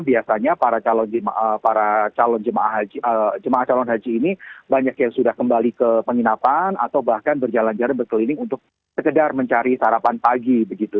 biasanya para calon jemaah calon haji ini banyak yang sudah kembali ke penginapan atau bahkan berjalan jalan berkeliling untuk sekedar mencari sarapan pagi begitu